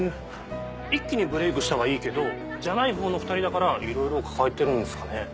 一気にブレイクしたはいいけど「じゃない方」の２人だからいろいろ抱えてるんですかね。